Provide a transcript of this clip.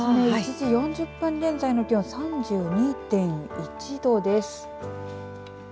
１時４０分現在の気温３２．１度です。